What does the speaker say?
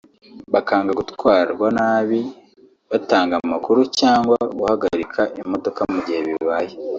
bakanga gutwarwa nabi batanga amakuru cyangwa guhagarika imodoka mu gihe bibaye